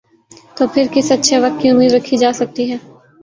، تو پھر کس اچھے وقت کی امید رکھی جا سکتی ہے ۔